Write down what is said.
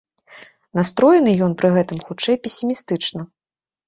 Настроены ён пры гэтым хутчэй песімістычна.